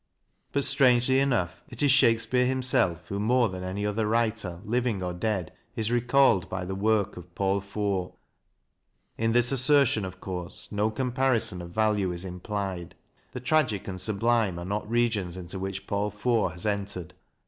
But, strangely enough, it is Shakespeare himself who, more than any other writer, living or dead, is recalled by the work of Paul Fort. In this assertion, of course, no comparison of value is implied; the Tragic and the Sublime are not regions into which Paul Fort has entered.